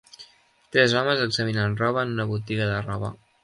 Tres homes examinant roba en una botiga de roba.